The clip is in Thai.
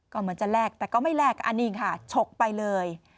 ก็เหมือนจะแลกแต่ก็ไม่แลกอันนี้ค่ะฉกไปเลย